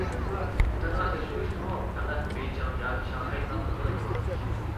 دنا تەكشۈرۈشنىمۇ پەقەت بېيجىڭ ياكى شاڭخەيدىلا قىلغىلى بولارمىش.